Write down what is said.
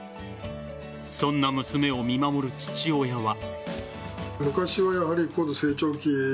そんな娘を見守る父親は。